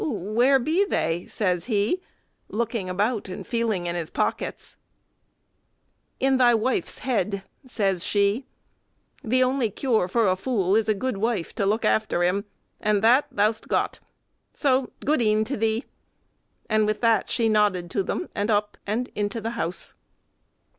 "Where be they?" says he, looking about and feeling in his pockets. "In thy wife's head," says she. "The only cure for a fool is a good wife to look after him, and that thou 'st got, so gode'en to thee!" And with that she nodded to them, and up and into the house.